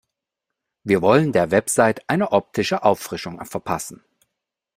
Wir wollen der Website eine optische Auffrischung verpassen.